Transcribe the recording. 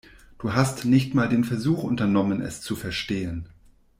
Du hast nicht mal den Versuch unternommen, es zu verstehen.